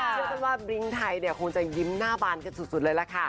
เชื่อกันว่าบริ้งไทยเนี่ยคงจะยิ้มหน้าบานกันสุดเลยล่ะค่ะ